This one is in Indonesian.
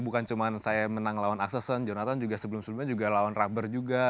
bukan cuma saya menang lawan axelsen jonathan juga sebelum sebelumnya juga lawan rubber juga